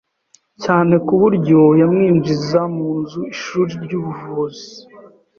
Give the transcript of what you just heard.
cyane kuburyo yamwinjiza mu ishuri ry'ubuvuzi.